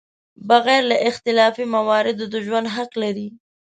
بغیر له اختلافي مواردو د ژوند حق لري.